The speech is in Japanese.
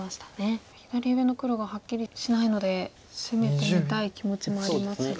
左上の黒がはっきりしないので攻めてみたい気持ちもありますが。